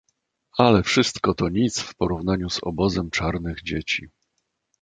"Ale wszystko to nic w porównaniu z obozem czarnych dzieci."